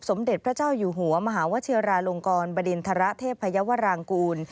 สมเด็จพระเจ้าอยู่หัวมหาวชิราลงกรบดินทรเทพยาวรางกูล